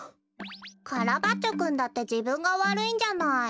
カラバッチョくんだってじぶんがわるいんじゃない。